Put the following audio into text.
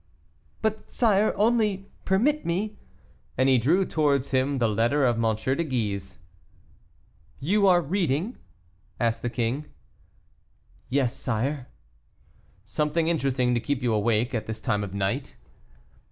"But, sire, only permit me " and he drew towards him the letter of M. de Guise. "You are reading?" asked the king. "Yes, sire." "Something interesting to keep you awake at this time of night?"